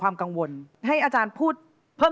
ไม่รู้เลย